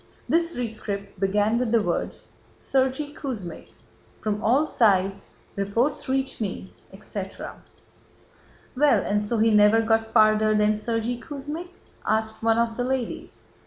This rescript began with the words: "Sergéy Kuzmích, From all sides reports reach me," etc. "Well, and so he never got farther than: 'Sergéy Kuzmích'?" asked one of the ladies.